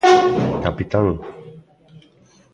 –¡Capitán!